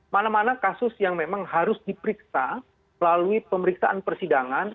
mana mana kasus yang memang harus diperiksa melalui pemeriksaan persidangan